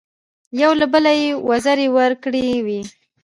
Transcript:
یو له بله یې وزرې ورکړې وې.